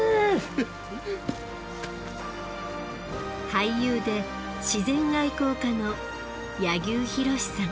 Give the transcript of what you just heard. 俳優で自然愛好家の柳生博さん。